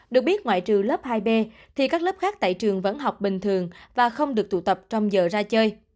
được biết ngoại trừ lớp hai b thì các lớp khác tại trường vẫn học bình thường và không được tụ tập trong giờ ra chơi